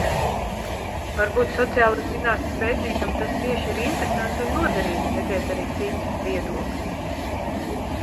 Varbūt sociālo zinātņu pētniekam tas tieši ir interesanti un noderīgi, redzēt arī citus viedokļus...